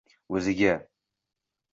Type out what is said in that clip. o’ziga